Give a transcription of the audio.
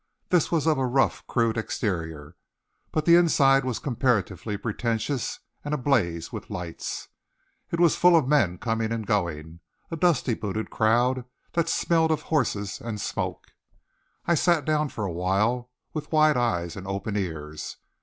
This was of a rough crude exterior, but the inside was comparatively pretentious, and ablaze with lights. It was full of men, coming and going a dusty booted crowd that smelled of horses and smoke. I sat down for a while, with wide eyes and open ears.